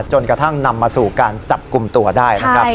จนกระทั่งนำมาสู่การจับกลุ่มตัวได้นะครับ